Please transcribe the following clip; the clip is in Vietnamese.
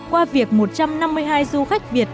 qua việc một trăm năm mươi hai du khách việt